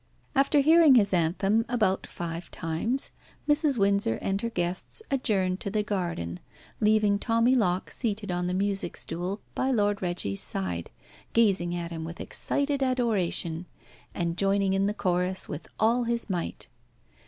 After hearing his anthem about five times, Mrs. Windsor and her guests adjourned to the garden, leaving Tommy Locke seated on the music stool by Lord Reggie's side, gazing at him with excited adoration, and joining in the chorus with all his might.